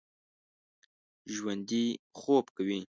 ژوندي خوب کوي